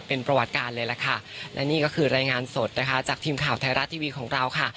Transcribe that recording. เป็นประวัติการเลยล่ะค่ะและนี่ก็คือรายงานสดนะคะจากทีมข่าวไทยรัฐทีวีของเราค่ะ